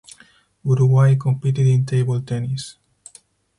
Uruguay competed in table tennis.